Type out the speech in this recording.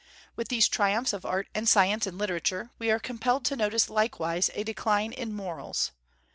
With these triumphs of art and science and literature, we are compelled to notice likewise a decline in morals.